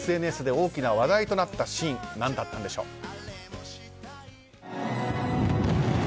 ＳＮＳで大きな話題となったシーン何だったんでしょう。